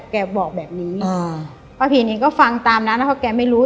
แกบอกแบบนี้ป้าพินก็ฟังตามนั้นแล้วก็แกไม่รู้